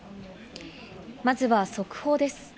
まずは速報です。